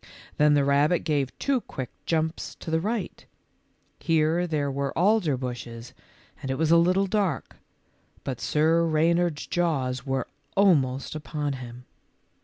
Then the rabbit gave two quick jumps to the right. Here there were alder bushes and it was a little dark, but Sir Reynard's jaws were almost upon him.